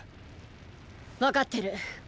分かってる。